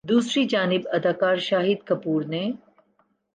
دوسری جانب اداکار شاہد کپور نے